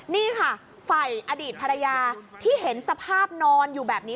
นี่ค่ะฝ่ายอดีตภรรยาที่เห็นสภาพนอนอยู่แบบนี้